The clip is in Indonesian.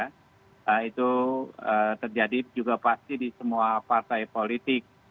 nah itu terjadi juga pasti di semua partai politik